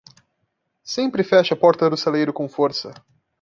Sempre feche a porta do celeiro com força.